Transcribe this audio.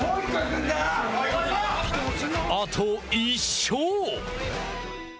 あと１勝。